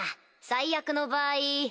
最悪の場合